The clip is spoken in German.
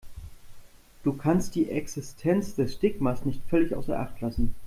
Du kannst die Existenz des Stigmas nicht völlig außer Acht lassen.